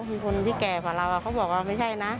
มีคนที่แก่ของเราเขาบอกว่าไม่ใช่นะ